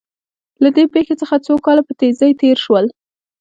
له دې پېښې څخه څو کاله په تېزۍ تېر شول